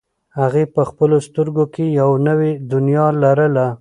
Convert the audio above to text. هغې په خپلو سترګو کې یوه نوې دنیا لرله.